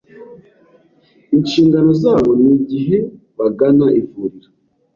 inshingano zabo n’igihe bagana ivuriro